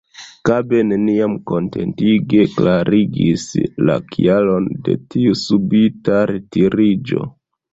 Kabe neniam kontentige klarigis la kialon de tiu subita retiriĝo.